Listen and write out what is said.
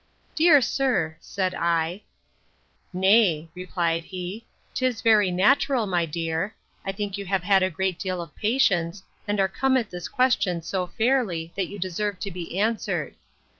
—Dear sir, said I.—Nay, replied he, 'tis very natural, my dear! I think you have had a great deal of patience, and are come at this question so fairly that you deserve to be answered.